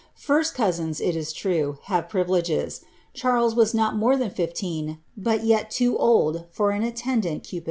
First coa sins, it is true, have privileges ; Charles was not more than fifteen, bnl yet too old for an attendant Cupidon.